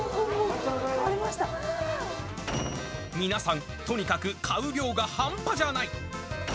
皆さん、とにかく買う量が半端じゃない。